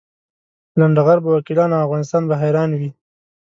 لنډه غر به وکیلان او افغانستان به حیران وي.